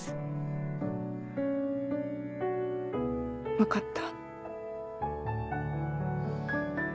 分かった。